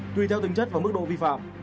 tuy theo tính chất và mức độ vi phạm